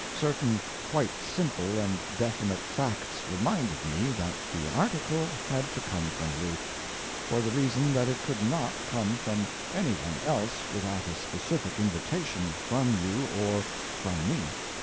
Certain quite simple and definite facts reminded me that the article had to come from you, for the reason that it could not come from any one else without a specific invitation from you or from me.